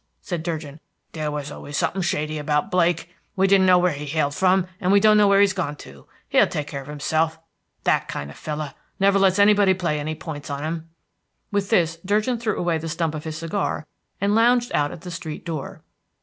said Durgin. "There was always something shady about Blake. We didn't know where he hailed from, and we don't know where he's gone to. He'll take care of himself; that kind of fellow never lets anybody play any points on him." With this Durgin threw away the stump of his cigar, and lounged out at the street door.